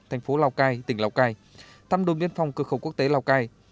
thành phố lào cai tỉnh lào cai thăm đồn biên phòng cơ khẩu quốc tế lào cai